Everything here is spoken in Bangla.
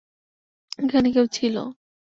এখানে কেউ ছিল।